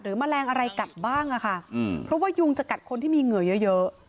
แมลงอะไรกัดบ้างอะค่ะเพราะว่ายุงจะกัดคนที่มีเหงื่อเยอะ